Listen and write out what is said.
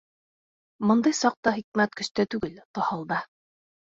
Бындай саҡта хикмәт көстә түгел, таһылда.